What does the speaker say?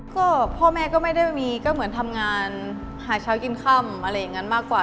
ก็พ่อแม่ก็ไม่ได้มีก็เหมือนทำงานหาเช้ากินค่ำอะไรอย่างนั้นมากกว่า